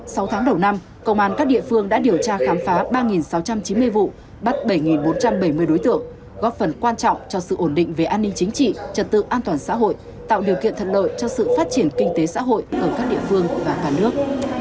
sau tháng đầu năm công an các địa phương đã điều tra khám phá ba sáu trăm chín mươi vụ bắt bảy bốn trăm bảy mươi đối tượng góp phần quan trọng cho sự ổn định về an ninh chính trị trật tự an toàn xã hội tạo điều kiện thuận lợi cho sự phát triển kinh tế xã hội ở các địa phương và cả nước